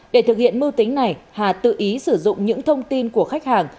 để thực hiện mưu tính này hà tự ý sử dụng những thông tin